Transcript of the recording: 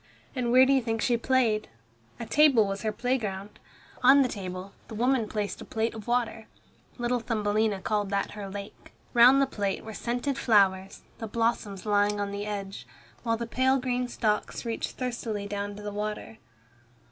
And where do you think she played? A table was her playground. On the table the woman placed a plate of water. Little Thumbelina called that her lake. Round the plate were scented flowers, the blossoms lying on the edge, while the pale green stalks reached thirstily down to the water.